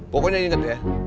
pokoknya inget ya